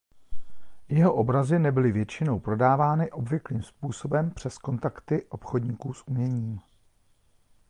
Jeho obrazy nebyly většinou prodávány obvyklým způsobem přes kontakty obchodníků s uměním.